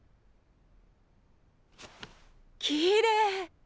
きれい。